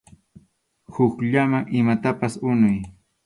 Hukllaman imatapas huñuy.